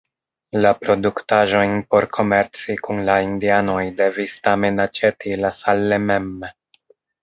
La produktaĵojn por komerci kun la Indianoj devis tamen aĉeti La Salle mem.